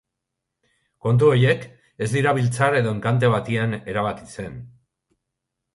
Kontu horiek ez dira biltzar edo enkante batean erabakitzen.